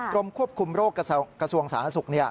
กรมควบคุมโรคกระทรวงสาธารณสุข